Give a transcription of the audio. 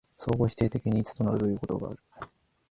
相互否定的に一となるというのである。